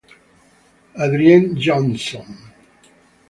Adrienne Johnson